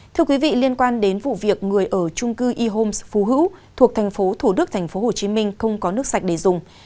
thưa quý vị liên quan đến vụ việc người ở trung cư e homes phú hữu thuộc thành phố thủ đức thành phố hồ chí minh không có nước sạch để dùng